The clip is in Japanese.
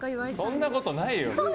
そんなことないよ。